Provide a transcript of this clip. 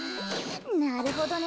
なるほどね。